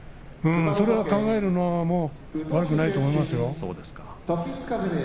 それは考えるのも悪くはないと思いますよ。